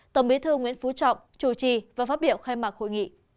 tổng bí thư nguyễn phú trọng chủ trì và phát biểu khai mạc hội nghị